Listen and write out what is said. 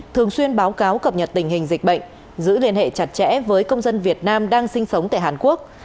thường xuyên báo cáo cập nhật tình hình dịch bệnh giữ liên hệ chặt chẽ với công dân việt nam đang sinh sống tại hàn quốc